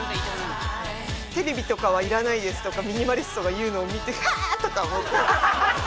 「テレビとかはいらないです」とかミニマリストが言うのを見てはあ！？とか思って。